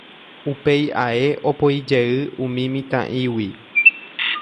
Upéi ae opoijey umi mitã'ígui.